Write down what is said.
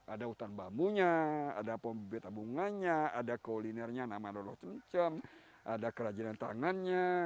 ada hutan bambunya ada pemibitan bunganya ada kolinernya nama nolok cemcem ada kerajinan tangannya